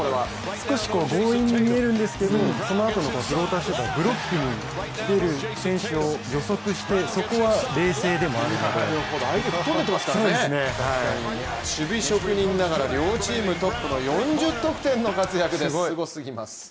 少し強引に見えるんですけど、そのあとのフローターシュートはブロックに来ている選手を予測して、そこは冷静でもあるので守備職人ながら、両チームトップの４０得点の活躍です。